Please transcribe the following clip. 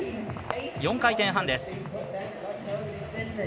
４回転半です。